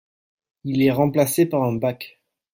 Il est remplacé par un bac.